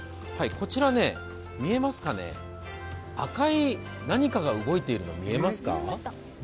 こちら、見えますかね、赤い何かが動いているの見えますか？